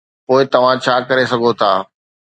پوء توهان ڇا ڪري سگهو ٿا؟